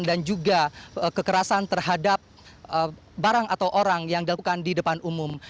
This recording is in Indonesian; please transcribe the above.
dan juga kekerasan terhadap barang atau orang yang dilakukan di depan umum